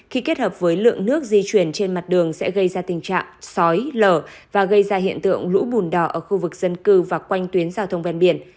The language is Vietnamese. khi kết hợp với lượng nước di chuyển trên mặt đường sẽ gây ra tình trạng sói lở và gây ra hiện tượng lũ bùn đỏ ở khu vực dân cư và quanh tuyến giao thông ven biển